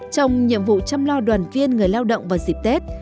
trong nhiệm vụ chăm lo đoàn viên người lao động vào dịp tết